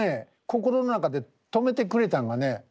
心の中で止めてくれたんがね